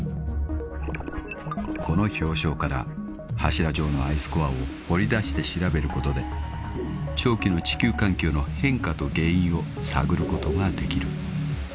［この氷床から柱状のアイスコアを掘り出して調べることで長期の地球環境の変化と原因を探ることができる］